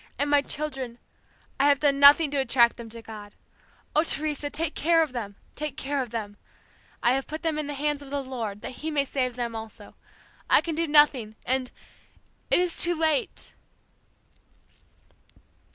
and my children! I have done nothing to attract them to God. Oh, Teresa, take care of them! Take care of them! I have put them in the hands of the Lord that He may save them also. I can do nothing and it is too late!'